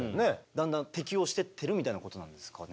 だんだん適応してってるみたいなことなんですかね。